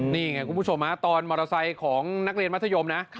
นี่ไงคุณผู้ชมตอนมอเตอร์ไซค์ของนักเรียนมัธยมนะ